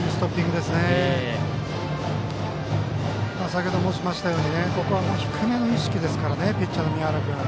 先程申しましたようにここは低めの意識ですからピッチャー、宮原君は。